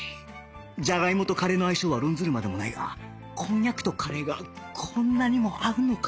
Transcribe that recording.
じゃがいもとカレーの相性は論ずるまでもないがこんにゃくとカレーがこんなにも合うのか